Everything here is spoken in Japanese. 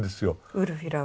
ウルフィラは。